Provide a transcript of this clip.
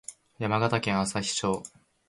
山形県朝日町